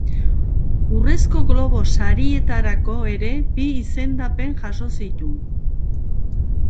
Urrezko Globo Sarietarako ere bi izendapen jaso zituen.